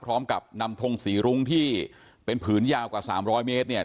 พร้อมกับนำทงสีรุ้งที่เป็นผืนยาวกว่าสามร้อยเมตรเนี่ย